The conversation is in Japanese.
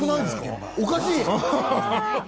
おかしい。